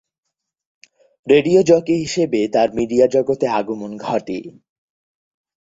Radio jockey হিসেবে তার media জগতে আগমন ঘটে।